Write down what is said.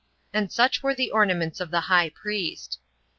And such were the ornaments of the high priest.